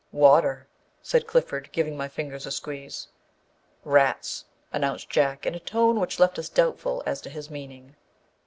" Water," said Clifford, giving my fingers a squeeze. " Eats/' announced Jack, in a tone which left us doubtful as to his meaning.